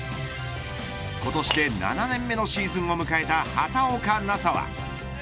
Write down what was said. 今年で７年目のシーズンを迎えた畑岡奈紗は。